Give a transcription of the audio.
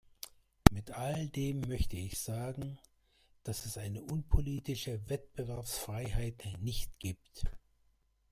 Mit all dem möchte ich sagen, dass es eine unpolitische Wettbewerbsfreiheit nicht gibt.